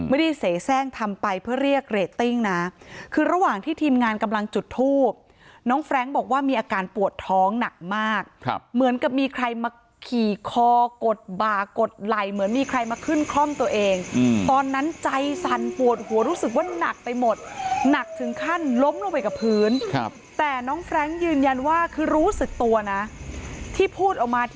ไม่ได้เสียแทร่งทำไปเพื่อเรียกเรตติ้งนะคือระหว่างที่ทีมงานกำลังจุดทูบน้องแฟรงค์บอกว่ามีอาการปวดท้องหนักมากเหมือนกับมีใครมาขี่คอกดบ่ากดไหล่เหมือนมีใครมาขึ้นคล่อมตัวเองตอนนั้นใจสั่นปวดหัวรู้สึกว่าหนักไปหมดหนักถึงขั้นล้มลงไปกับพื้นครับแต่น้องแฟรงค์ยืนยันว่าคือรู้สึกตัวนะที่พูดออกมา